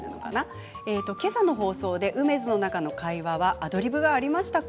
今朝の放送でうめづの中の会話はアドリブがありましたか？